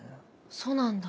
そうなんだ。